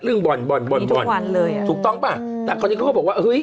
เรื่องบ่นบ่นถูกต้องป่ะแต่ก่อนนี้เขาก็บอกว่าเอ้ย